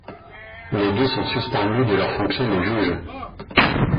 Les deux sont suspendus de leurs fonctions de juge.